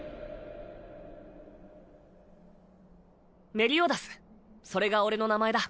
メリオダスそれが俺の名前だ。